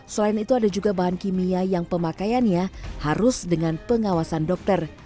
selain itu ada juga bahan kimia yang pemakaiannya harus dengan pengawasan dokter